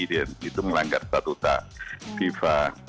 dan itu melanggar statuta viva